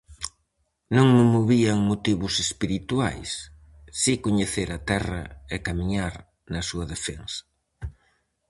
Non me movían motivos espirituais, si coñecer a terra e camiñar na súa defensa.